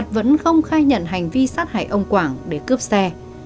nguyễn văn đạt đã phải cuối đầu khai nhận hành vi sát hại ông quảng để cướp xe